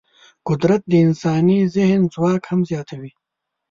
قدرت د انساني ذهن ځواک هم زیاتوي.